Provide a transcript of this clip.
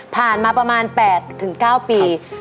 ผ่านมาประมาณ๘๙ปี